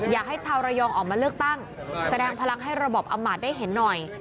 อยากให้ชาวระยองออกมาเลือกตั้งแสดงพลังให้ระบบอำมาตย์ได้เห็นหน่อย